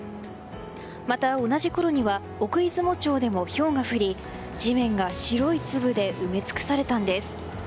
また、同じころには奥出雲町でも、ひょうが降り地面が白い粒で埋め尽くされたんです。